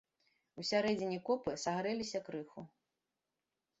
Усярэдзіне копы сагрэліся крыху.